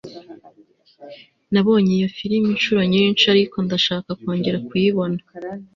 nabonye iyo firime inshuro nyinshi, ariko ndashaka kongera kuyibona